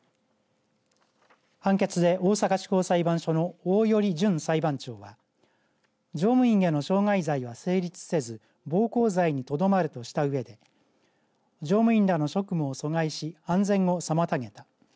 判決で大阪地方裁判所の大寄淳裁判長は乗務員への傷害罪は成立せず暴行罪にとどまるとしたうえで乗務員らの職務も阻害し安全を妨げた。